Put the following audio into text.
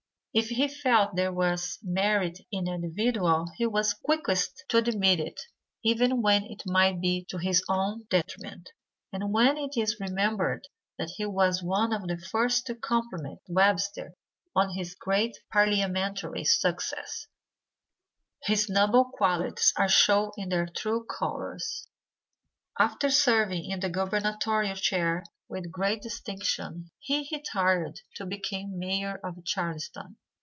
If he felt there was merit in an individual he was quickest to admit it even when it might be to his own detriment, and when it is remembered that he was one of the first to compliment Webster on his great parliamentary success, his noble qualities are shown in their true colors. After serving in the gubernatorial chair with great distinction he retired to become Mayor of Charleston.